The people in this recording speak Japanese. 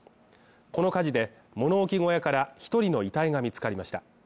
この火事で、物置小屋から１人の遺体が見つかりました。